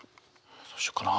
どうしようかな。